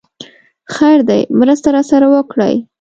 خير دی! مرسته راسره وکړئ!